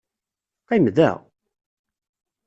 Qqim da!